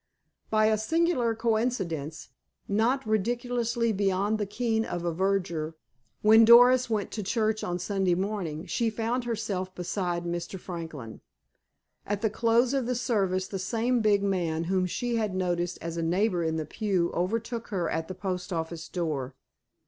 By a singular coincidence, not ridiculously beyond the ken of a verger, when Doris went to church on Sunday morning, she found herself beside Mr. Franklin. At the close of the service the same big man whom she had noticed as a neighbor in the pew overtook her at the post office door.